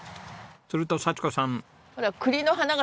すると幸子さん。